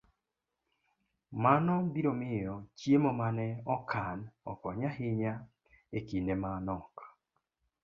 Mano biro miyo chiemo ma ne okan okony ahinya e kinde ma nok